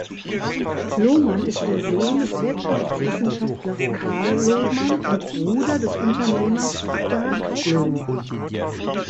Lohmann ist der Sohn des Wirtschaftswissenschaftlers Karl Lohmann und Bruder des Unternehmers Dag Lohmann.